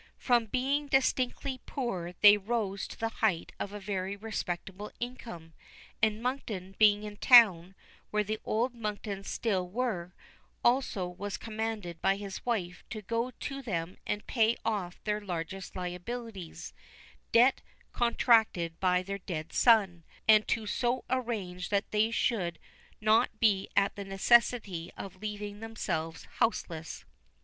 From being distinctly poor they rose to the height of a very respectable income, and Monkton being in town, where the old Monktons still were, also was commanded by his wife to go to them and pay off their largest liabilities debts contracted by the dead son, and to so arrange that they should not be at the necessity of leaving themselves houseless.